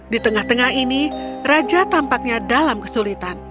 di tengah tengah ini raja tampaknya dalam kesulitan